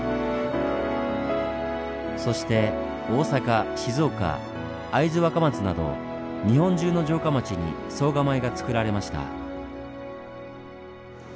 そして大阪静岡会津若松など日本中の城下町に総構がつくられました。